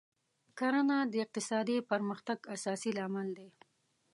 کرنه د اقتصادي پرمختګ اساسي لامل دی.